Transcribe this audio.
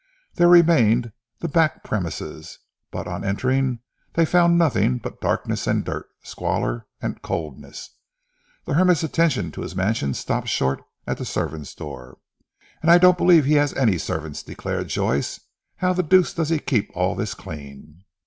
There remained the back premises, but on entering, they found nothing but darkness and dirt, squalor and coldness. The hermit's attention to his mansion stopped short at the servant's door. "And I don't believe he has any servants," declared Joyce. "How the deuce does he keep all this clean?"